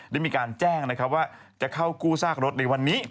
ได้มีการแจ้งนะครับว่าจะเข้ากู้ซากรถในวันนี้